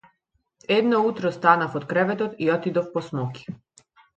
Едно утро станав од креветот и отидов по смоки.